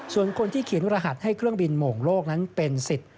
ส่วนคนที่เขียนรหัสให้เครื่องบินโหม่งโลกนั้นเป็นสิทธิ์